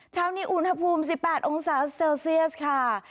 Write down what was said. เช้านี้อุณหภูมิ๑๘องศาเซลเซียสค่ะ